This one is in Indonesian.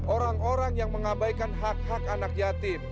orang orang yang mengabaikan hak hak anak yatim